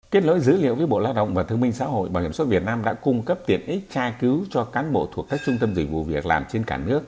kết nối dữ liệu với bộ lao động và thương minh xã hội bảo hiểm xã việt nam đã cung cấp tiện ích tra cứu cho cán bộ thuộc các trung tâm dịch vụ việc làm trên cả nước